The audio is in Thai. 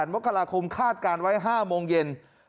มกราคมคาดการณ์ไว้๕โมงเย็น